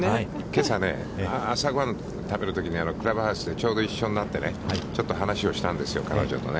けさ、朝ごはんを食べるときに、クラブハウスでちょうど一緒になって、ちょっと話をしたんですよ、彼女と。